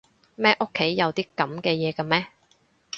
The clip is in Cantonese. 乜屋企有啲噉嘅嘢㗎咩？